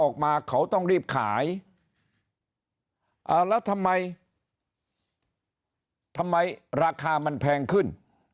ออกมาเขาต้องรีบขายอ่าแล้วทำไมทำไมราคามันแพงขึ้น